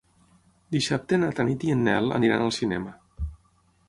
Dissabte na Tanit i en Nel aniran al cinema.